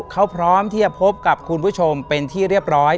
เขาพร้อมที่จะพบกับคุณผู้ชมเป็นที่เรียบร้อย